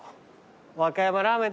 和歌山ラーメン